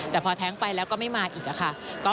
แต่พอแท้งไปแล้วก็ไม่มาอีกค่ะ